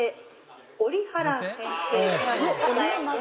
折原先生からのお悩みです。